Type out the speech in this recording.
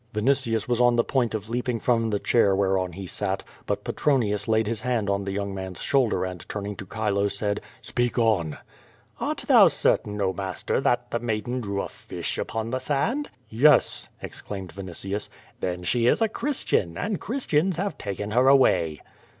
Vinitius was on the point of leaping from the chair where on he sat, but Petronius laid his hand on the young man's shoulder and turning to Chilo said: "Speak on." "Art thou certain, oh, master, that the maiden drew a fish upon the sand?" "Yes," exclaimed Vinitius. "Then she is a Christian, and Christians have taken her away."